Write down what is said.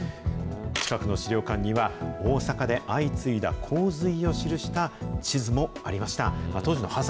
近くの資料館には、大阪で相次いだ洪水を記した地図もありました。